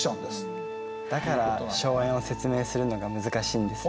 だから荘園を説明するのが難しいんですね。